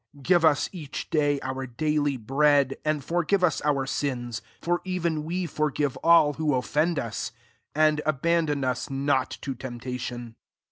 3 Give us each day our daily bread ; 4 and forgive us our sins; for evoa we forgive all who offend ui£. and abandon us not to tempta tion.'